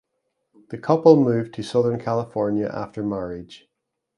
The couple moved to Southern California after marriage.